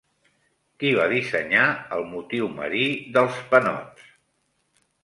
Qui va dissenyar el motiu marí dels panots?